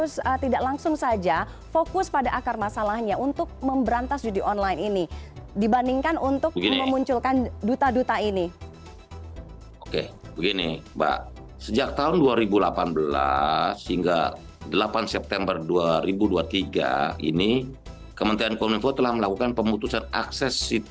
selamat sore pak menteri